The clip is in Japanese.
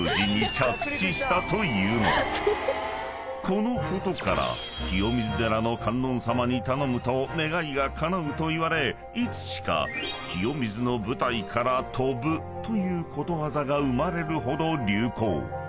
［このことから清水寺の観音様に頼むと願いがかなうといわれいつしか「清水の舞台から飛ぶ」ということわざが生まれるほど流行］